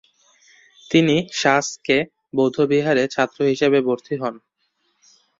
তিনি সা-স্ক্যা বৌদ্ধবিহারে ছাত্র হিসেবে ভর্তি হন।